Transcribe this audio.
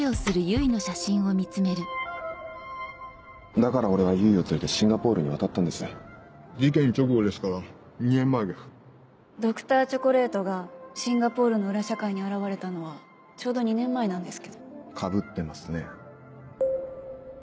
だから俺は唯を連れてシンガポールに渡っ事件直後ですから２年前ですＤｒ．チョコレートがシンガポールの裏社会に現れたのはちょうど２年前なんですけどかぶってますね